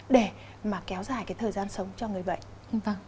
để mà kéo dài cái thời gian sống cho người bệnh